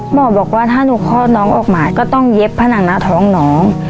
หมอบอกว่าถ้าหนูคลอดน้องออกมาก็ต้องเย็บผนังหน้าท้องน้อง